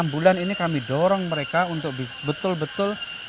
enam bulan ini kami dorong mereka untuk betul betul